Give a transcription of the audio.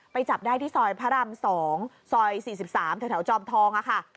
จับได้ที่ซอยพระราม๒ซอย๔๓แถวจอมทองค่ะ